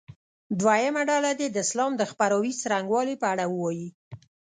دویمه ډله دې د اسلام د خپراوي څرنګوالي په اړه ووایي.